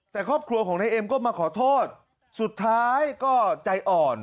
แต่ครอบครัวของนายเอ็มก็มาขอโทษสุดท้ายก็ใจอ่อน